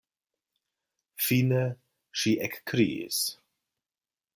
Fine ŝi ekkriis: